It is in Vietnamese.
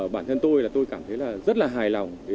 bản thân tôi là tôi cảm thấy là rất là hài lòng